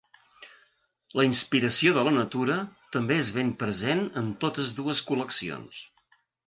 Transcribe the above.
La inspiració de la natura també és ben present en totes dues col·leccions.